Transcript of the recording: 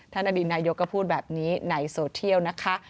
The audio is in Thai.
ท่านอบินายก็พูดแบบนี้ในโสเทียลนะคะ